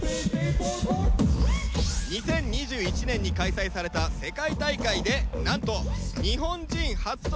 ２０２１年に開催された世界大会でなんと日本人初となる準優勝。